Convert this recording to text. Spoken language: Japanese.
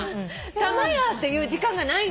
「たまや」って言う時間がない。